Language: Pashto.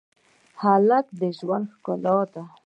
هلک د ژوند ښکلا ده.